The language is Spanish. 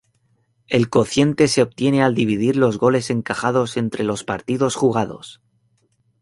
El cociente se obtiene al dividir los goles encajados entre los partidos jugados.